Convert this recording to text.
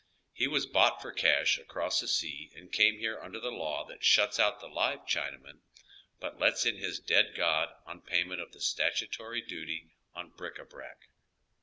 He was bought for cash across the sea and came here under the law that shuts out the live Cliinaman, but lets in his dead god on payment of the statutory duty on bric a brac.